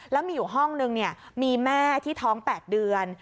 แล้วมีอยู่ห้องนึงมีแม่ที่ท้อง๘เดือน